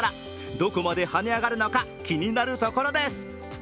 どこまではね上がるのか、気になるところです。